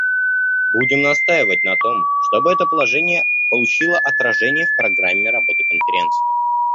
Будем настаивать на том, чтобы это положение получило отражение в программе работы Конференции.